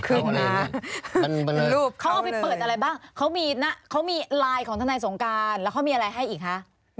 คือเขาเอาไปเปิดอะไรบ้างเขามีไลน์ของทนายสงการแล้วเขามีอะไรให้อีกคะ